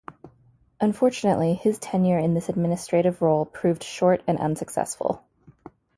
Unfortunately, his tenure in this administrative role proved short and unsuccessful.